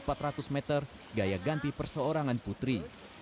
di nomor empat ratus meter gaya ganti perseorangan putri